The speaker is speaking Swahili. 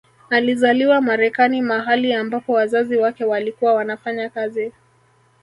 Alizaliwa Marekani mahali ambapo wazazi wake walikuwa wanafanya kazi